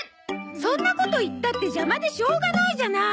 そんなこと言ったって邪魔でしょうがないじゃない。